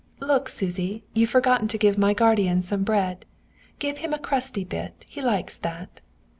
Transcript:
"Look, Susy, you've forgotten to give my guardian some bread! Give him a crusty bit, he likes that!"